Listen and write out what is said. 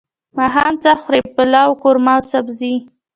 ماښام څه خورئ؟ پلاو، قورمه او سبزی